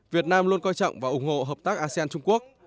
việt nam luôn coi trọng và ủng hộ hợp tác asean trung quốc